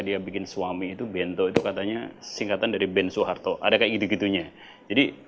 dia bikin suami itu bento itu katanya singkatan dari ben soeharto ada kayak gitu gitunya jadi